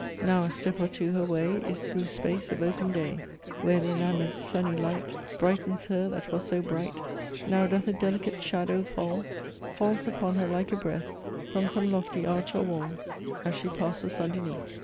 Now a step or two her way Is through space of open day, Where the enamoured sunny light Brightens her that was so bright; Now doth a delicate shadow fall, Falls upon her like a breath, From some lofty arch or wall, As she passes underneath."